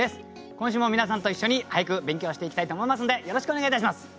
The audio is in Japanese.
今週も皆さんと一緒に俳句勉強していきたいと思いますんでよろしくお願いいたします。